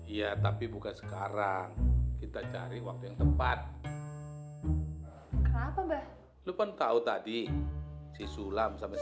iya tapi bukan sekarang kita cari waktu yang tepat apa mbak lupa tahu tadi si sulam sama